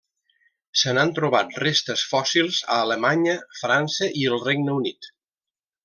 Se n'han trobat restes fòssils a Alemanya, França i el Regne Unit.